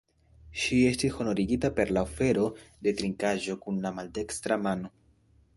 Ŝi estis honorigita per la ofero de trinkaĵo kun la maldekstra mano.